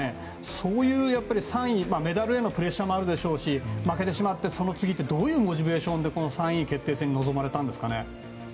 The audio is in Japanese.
そういうメダルへのプレッシャーもあるでしょうし負けてしまってその次ってどういうモチベーションで３位決定戦に臨まれたんですかね。